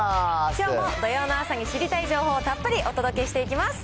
きょうも土曜の朝に知りたい情報をたっぷりお届けしていきます。